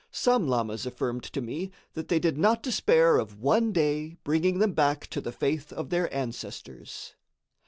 Some lamas affirmed to me that they did not despair of one day bringing them back to the faith of their ancestors.